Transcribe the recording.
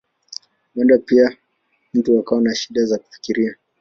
Huenda pia mtu akawa na shida za kufikiria.